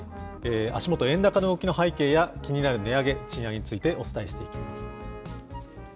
足元、円高動きの背景や、値上げ、賃上げについてお伝えしていきます。